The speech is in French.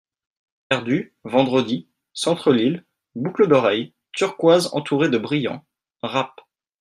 Perdu, Vendredi, centre Lille, boucle d'oreille, turquoise entourée de brillants, rapp.